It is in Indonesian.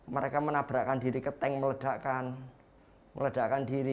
mereka menabrakkan diri ke tank meledakkan meledakan diri